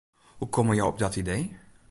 Hoe komme jo op dat idee?